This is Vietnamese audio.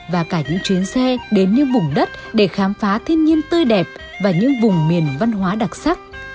và cả những chuyến xe đến những vùng đất để khám phá thiên nhiên tươi đẹp và những vùng miền văn hóa đặc sắc